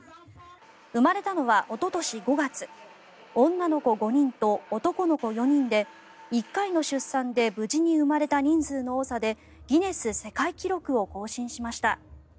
生まれたのはおととし５月女の子５人と男の子４人で１回の出産で無事に生まれた人数の多さでギネス世界記録を更新しました。